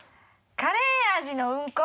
カレー味のうんこ？